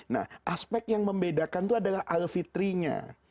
nah aspek yang membedakan itu adalah alfitrinya